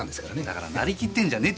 だからなりきってんじゃねえ